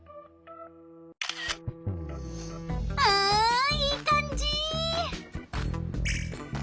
うんいい感じ！